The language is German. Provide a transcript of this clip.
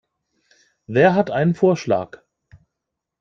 Wer hat einen Vorschlag?